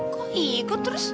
kok ikut terus